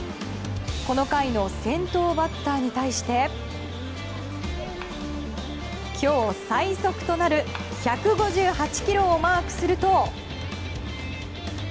この回の先頭バッターに対して今日、最速となる１５８キロをマークすると。